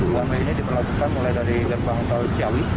buang buang ini diperlakukan mulai dari gerbang tol ciawi